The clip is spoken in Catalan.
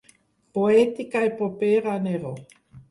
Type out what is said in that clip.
Poètica i propera a Neró.